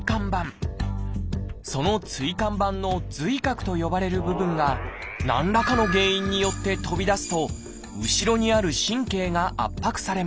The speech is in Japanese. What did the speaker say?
その椎間板の髄核と呼ばれる部分が何らかの原因によって飛び出すと後ろにある神経が圧迫されます。